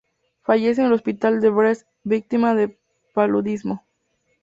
Fallece en el Hospital de Brest, víctima de paludismo.